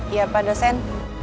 iya pak dosen